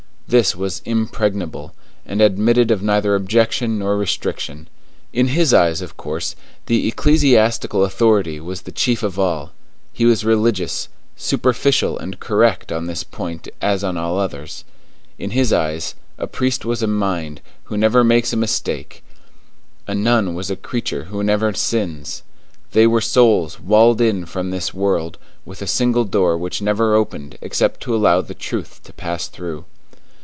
This was impregnable, and admitted of neither objection nor restriction. In his eyes, of course, the ecclesiastical authority was the chief of all; he was religious, superficial and correct on this point as on all others. In his eyes, a priest was a mind, who never makes a mistake; a nun was a creature who never sins; they were souls walled in from this world, with a single door which never opened except to allow the truth to pass through.